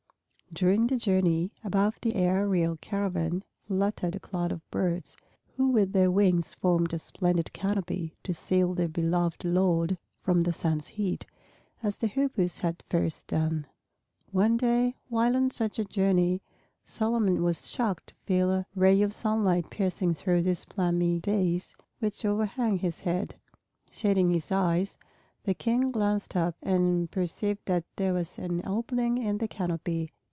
During the journey, above the aerial caravan fluttered a cloud of birds, who with their wings formed a splendid canopy to shield their beloved lord from the sun's heat, as the Hoopoes had first done. One day, while on such a journey, Solomon was shocked to feel a ray of sunlight piercing through this plumy dais which overhung his head. Shading his eyes, the King glanced up and perceived that there was an opening in the canopy.